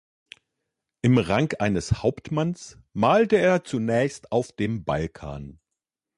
Im Rang eines Hauptmanns malte er zunächst auf dem Balkan.